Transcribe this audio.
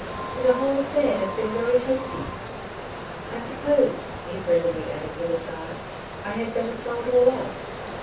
The whole affair has been very hasty. I sup pose,'* he presently added with a sigh, '^ I had better throw it all up."